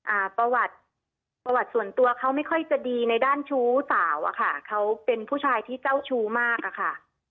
อ่าประวัติประวัติส่วนตัวเขาไม่ค่อยจะดีในด้านชู้สาวอะค่ะเขาเป็นผู้ชายที่เจ้าชู้มากอะค่ะ